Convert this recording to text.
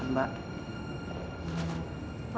jangan buruk ya